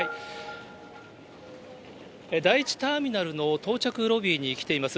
第１ターミナルの到着ロビーに来ています。